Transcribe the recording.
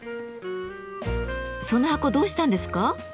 その箱どうしたんですか？